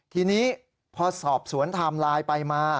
ทีนี้พอสอบสวนไทม์ไลน์ไปมา